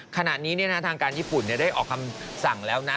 ขณะนี้ทางการญี่ปุ่นได้ออกคำสั่งแล้วนะ